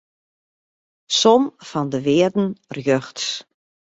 Som fan de wearden rjochts.